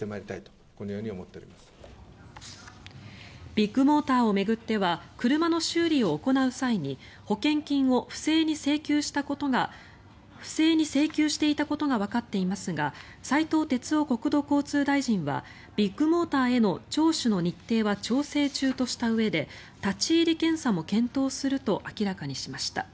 ビッグモーターを巡っては車の修理を行う際に保険金を不正に請求していたことがわかっていますが斉藤鉄夫国土交通大臣はビッグモーターへの聴取の日程は調整中としたうえで立ち入り検査も検討すると明らかにしました。